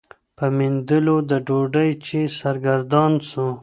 په میندلو د ډوډۍ چي سرګردان سو